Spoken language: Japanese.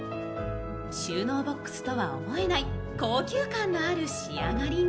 収納ボックスとは思えない高級感のある仕上がりに。